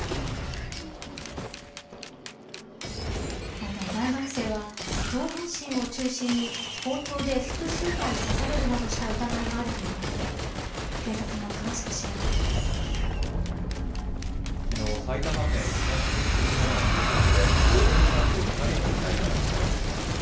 また、大学生は、上半身を中心に、包丁で複数回刺されるなどした疑いがあるということで、きのう、埼玉県東秩父村の住宅で、高齢の男女２人の遺体が見つかりました。